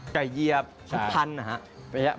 ไก่เยียร์ทุกพันธุ์นะครับ